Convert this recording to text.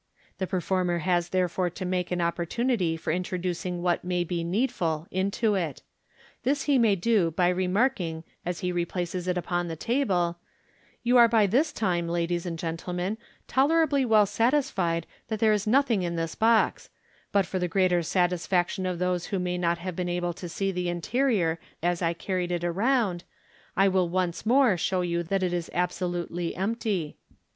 The performer has therefore to make an oppor tunity for introducing what may be needful into it ; this he may do by remark ing as he replaces it on his table, " You are by this time, ladies and gentlemen, tolerably well satisfied that there is nothing in this box j but for the greater satisfaction of those who may not have been able to see the interior as I carried it round, I will once more show you that it is absolutely empty."